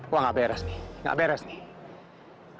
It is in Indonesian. wah nggak beres nih